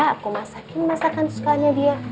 aku masakin masakan sukanya dia